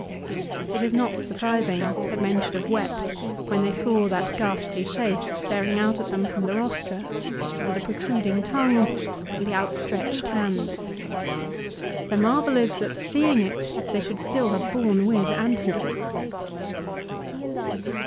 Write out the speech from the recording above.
It is not surprising that men should have wept when they saw that ghastly face staring at them from the rostra, and th< CICERO'S DEATH. 297 protruding tongue, and the outstretched hands. The marvel is that seeing it they should still have borne with Antony.